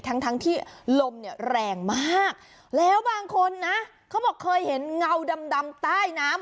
ทั้งทั้งที่ลมเนี่ยแรงมากแล้วบางคนนะเขาบอกเคยเห็นเงาดำดำใต้น้ำ